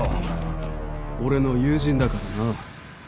俺の友人だからな。